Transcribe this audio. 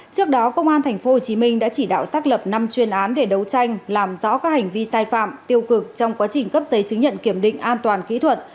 trước đó công an tp hcm đã chỉ đạo xác lập năm chuyên án để đấu tranh làm rõ các hành vi sai phạm tiêu cực trong quá trình cấp giấy chứng nhận kiểm định an toàn kỹ thuật